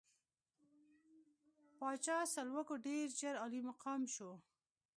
پاچا سلوکو ډېر ژر عالي مقام شو.